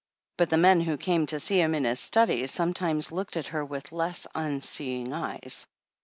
But the men who came to see him in his study some times looked at her with less unseeing eyes.